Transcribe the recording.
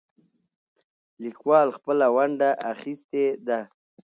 لیکوال خپله ونډه اخیستې ده.